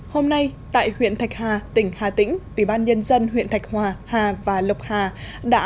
hôm nay tại huyện thạch hà tỉnh hà tĩnh ủy ban nhân dân huyện thạch hòa hà và lộc hà đã